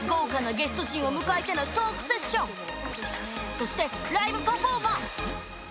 そしてライブパフォーマンス。